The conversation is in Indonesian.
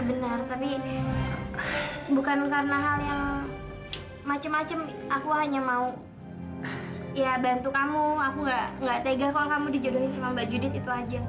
bantu kamu aku nggak nggak tega kalau kamu dijodohin sama mbak judit itu aja